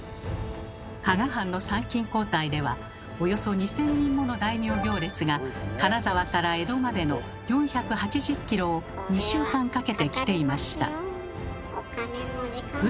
加賀藩の参勤交代ではおよそ２，０００人もの大名行列が金沢から江戸までの４８０ｋｍを２週間かけて来ていました。